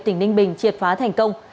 tỉnh ninh bình triệt phá thành công